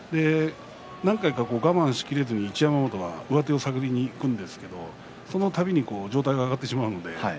何回か我慢しきれずに、一山本上手を探りにいくんですがその度に上体が上がってしまいます。